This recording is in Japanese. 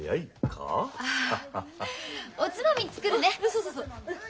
そうそうそううん。